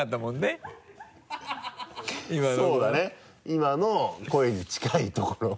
今の声に近いところ。